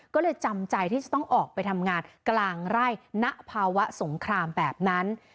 ก็เลยจำใจที่จะต้องออกไปทำงานกลางไร่ณภาวะสงครามแบบนั้น